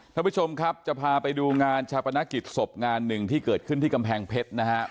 ท่านผู้ชมครับจะพาไปดูงานชาปนกิจศพงานหนึ่งที่เกิดขึ้นที่กำแพงเพชรนะครับ